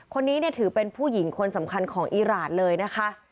คนนี้เนี่ยถือเป็นผู้หญิงคนสำคัญของอีรานเลยนะคะ